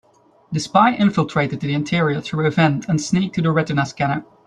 The spy infiltrated the interior through a vent and sneaked to the retina scanner.